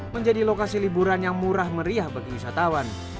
menjadi lokasi liburan yang murah meriah bagi wisatawan